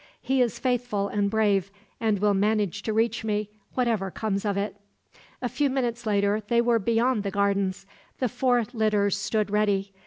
He is faithful and brave, and will manage to reach me, whatever comes of it." A few minutes later they were beyond the gardens. The four litters stood ready.